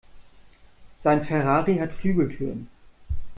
Sein Ferrari hat Flügeltüren.